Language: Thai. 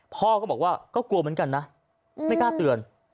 พ่อก็บอกว่าก็กลัวเหมือนกันนะไม่กล้าเตือน